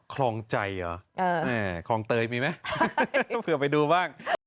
คลองใจเหรอแม่คลองเตยมีไหมเผื่อไปดูบ้าง